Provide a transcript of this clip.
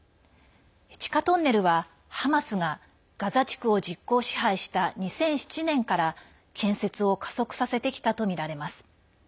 地下トンネルはハマスがガザ地区を実効支配した２００７年から建設を加速させてきたとみられます。